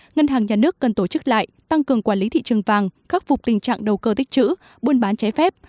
ngân hàng nhà nước cần tổ chức lại tăng cường quản lý thị trường vàng khắc phục tình trạng đầu cơ tích chữ buôn bán trái phép